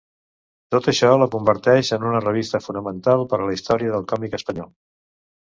Tot això la converteix en una revista fonamental per a la història del còmic espanyol.